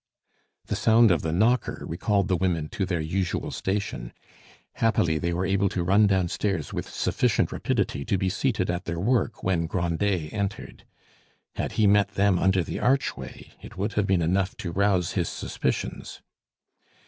The sound of the knocker recalled the women to their usual station. Happily they were able to run downstairs with sufficient rapidity to be seated at their work when Grandet entered; had he met them under the archway it would have been enough to rouse his suspicions.